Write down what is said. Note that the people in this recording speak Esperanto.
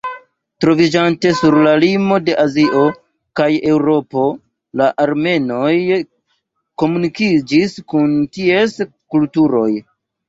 Troviĝante sur la limo de Azio kaj Eŭropo, la armenoj komunikiĝis kun ties kulturoj.